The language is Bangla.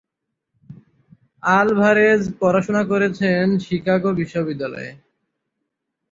আলভারেজ পড়াশোনা করেছেন শিকাগো বিশ্ববিদ্যালয়ে।